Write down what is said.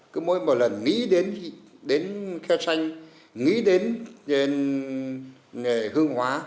cứ mỗi một lần nghĩ đến khe xanh nghĩ đến hướng hóa